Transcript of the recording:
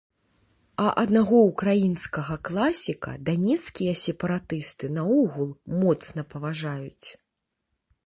А аднаго ўкраінскага класіка данецкія сепаратысты наогул моцна паважаюць.